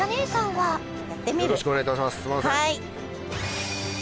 はい。